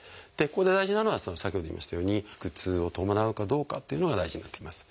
ここで大事なのは先ほど言いましたように腹痛を伴うかどうかっていうのが大事になってきます。